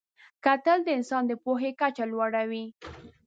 کتل د انسان د پوهې کچه لوړوي